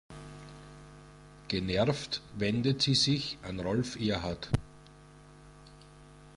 Genervt wendet sie sich an Rolf Erhardt.